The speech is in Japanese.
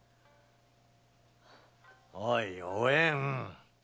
おいおえん！